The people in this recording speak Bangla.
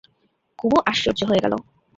কুমু আশ্চর্য হয়ে গেল।